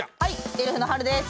エルフのはるです！